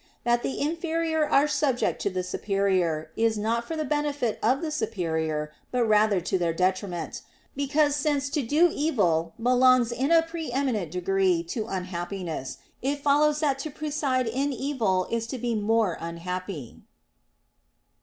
That the inferior are subject to the superior, is not for the benefit of the superior, but rather to their detriment; because since to do evil belongs in a pre eminent degree to unhappiness, it follows that to preside in evil is to be more unhappy.